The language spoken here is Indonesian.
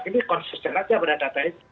ini konsisten saja pada data itu